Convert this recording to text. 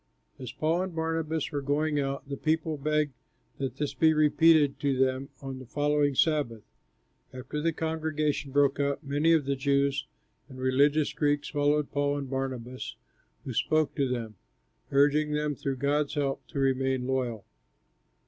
As Paul and Barnabas were going out, the people begged that this be repeated to them on the following Sabbath. After the congregation broke up, many of the Jews and religious Greeks followed Paul and Barnabas, who spoke to them, urging them through God's help to remain loyal.